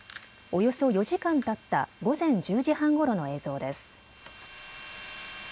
およそ４時間たった午前１０時半ごろの映像です。